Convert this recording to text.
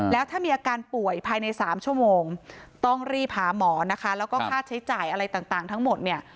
แล้วถ้ามีอาการป่วยภายใน๓ชั่วโมงต้องรีบหาหมอนะคะแล้วก็ค่าใช้จ่ายอะไรต่างทั้งหมดเนี่ย